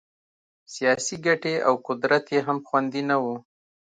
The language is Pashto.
سیاسي ګټې او قدرت یې هم خوندي نه وو.